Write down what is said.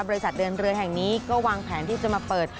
บริษัทเดินเรือแห่งนี้ก็วางแผนที่จะมาเปิด